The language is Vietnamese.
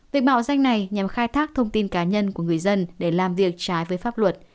việc mạo danh này nhằm khai thác thông tin cá nhân của người dân để làm việc trái với pháp luật